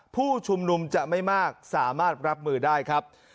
ผู้ชุมนุมจะไม่มากสามารถรับมือได้ครับ